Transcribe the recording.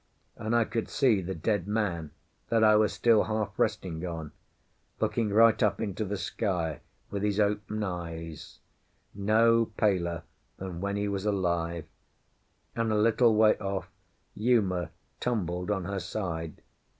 And I could see the dead man, that I was still half resting on, looking right up into the sky with his open eyes, no paler than when he was alive; and a little way off Uma tumbled on her side.